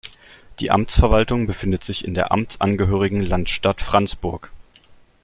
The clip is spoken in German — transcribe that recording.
Die Amtsverwaltung befindet sich in der amtsangehörigen Landstadt Franzburg.